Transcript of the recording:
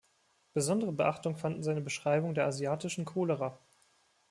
Besondere Beachtung fanden seine Beschreibungen der asiatischen Cholera.